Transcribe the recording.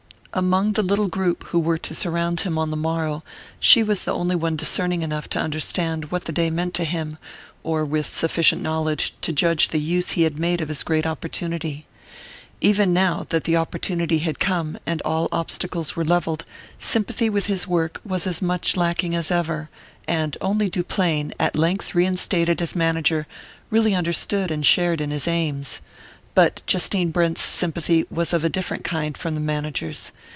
Among the little group who were to surround him on the morrow, she was the only one discerning enough to understand what the day meant to him, or with sufficient knowledge to judge of the use he had made of his great opportunity. Even now that the opportunity had come, and all obstacles were levelled, sympathy with his work was as much lacking as ever; and only Duplain, at length reinstated as manager, really understood and shared in his aims. But Justine Brent's sympathy was of a different kind from the manager's.